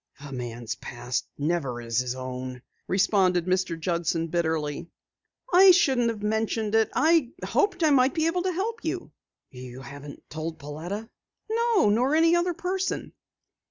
"A man's past never is his own," responded Mr. Judson bitterly. "I shouldn't have mentioned it. I hoped I might be able to help you." "You haven't told Pauletta?" "No, nor any other person."